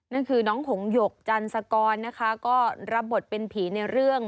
นั่นคือน้องหงหยกจันสกรนะคะก็รับบทเป็นผีในเรื่อง